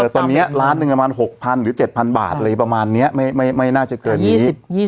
ตอนนี้ล้านหนึ่งประมาณ๖๐๐๐หรือ๗๐๐บาทอะไรประมาณนี้ไม่น่าจะเกินนี้